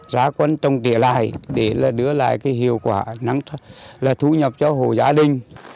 giá quân trồng tỉa lại để là đưa lại cái hiệu quả năng thu nhập cho hồ gia đình